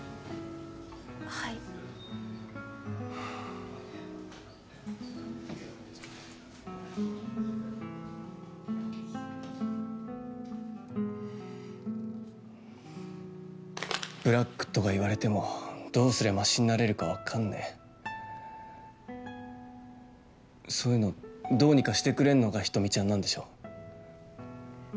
はいブラックとか言われてもどうすりゃマシになれるかわかんねえそういうのどうにかしてくれんのが人見ちゃんなんでしょ？